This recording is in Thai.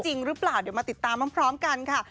จริงหรือเปล่าเดี๋ยวมาติดตามพร้อมกันค่ะ